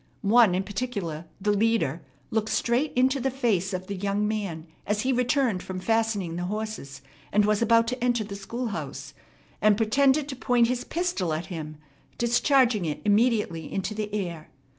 One in particular, the leader, looked straight into the face of the young man as he returned from fastening the horses and was about to enter the schoolhouse, and pretended to point his pistol at him, discharging it immediately into the air.